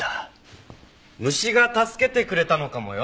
虫が助けてくれたのかもよ。